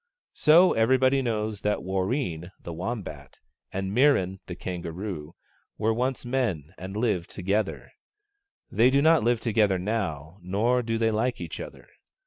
So everybody knows that Warreen, the Wombat, and Mirran, the Kangaroo, were once men and lived together. They do not live together now, nor do they like each other.